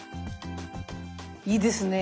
いいですね。